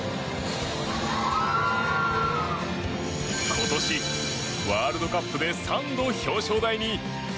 今年、ワールドカップで３度表彰台に。